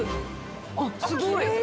あっすごい！